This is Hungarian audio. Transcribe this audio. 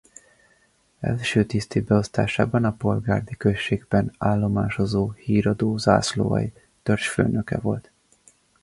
Első tiszti beosztásában a Polgárdi községben állomásozó híradó zászlóalj törzsfőnöke volt.